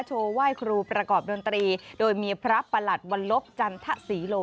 โชว์ไหว้ครูประกอบดนตรีโดยมีพระประหลัดวันลบจันทศรีโล